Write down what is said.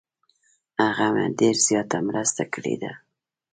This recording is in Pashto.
هغه مې ډیر زیاته مرسته کړې ده.